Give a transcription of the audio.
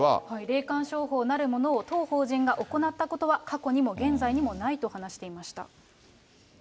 霊感商法なるものを当法人が行ったことは、過去にも現在にもないと話していました。